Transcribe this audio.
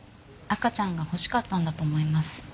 赤ちゃんが欲しかったんだと思います。